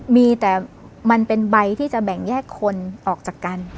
มีแต่มันเป็นใบที่จะแบ่งแยกคนออกจากกัน